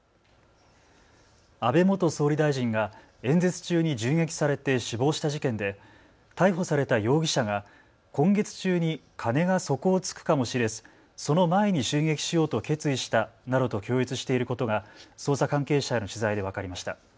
安倍元総理大臣が演説中に銃撃されて死亡した事件で逮捕された容疑者が今月中に金が底をつくかもしれずその前に襲撃しようと決意したなどと供述していることが捜査関係者への取材で分かりました。